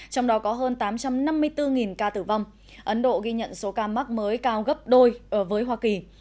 trong đó có hơn tám trăm năm mươi bốn ca tử vong ấn độ ghi nhận số ca mắc mới cao gấp đôi với hoa kỳ